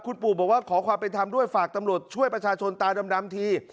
คุณปู่บอกว่าขอความเป็นธรรมด้วยฝากตำรวจช่วยประชาชนตาดำที